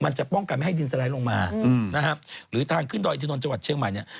มันจะป้องกันไม่ให้ดินสลายลงมาหรือทางขึ้นดอยอินทานนท์จัวร์ชเชียงใหม่เนี่ย